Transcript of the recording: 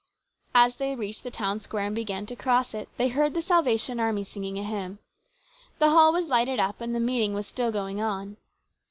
As they reached the town square and began to cross it they heard the Salvation Army singing a hymn. The hall was lighted up, and the meeting was still going on.